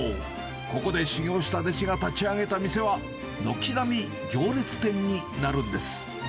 ここで修業した弟子が立ち上げた店は、軒並み行列店になるんです。